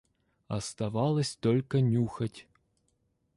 Оставалось только нюхать.